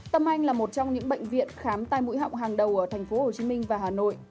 tâm anh là một trong những bệnh viện khám tai mũi họng hàng đầu ở tp hcm và hà nội